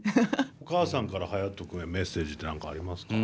お母さんからハヤト君へメッセージって何かありますか？